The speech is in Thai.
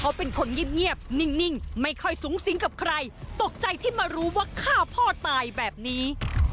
เขาเป็นคนเงียบนิ่งไม่ค่อยสูงสิงกับใครตกใจที่มารู้ว่าฆ่าพ่อตายแบบนี้